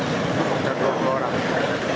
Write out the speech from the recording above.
sekitar dua puluh orang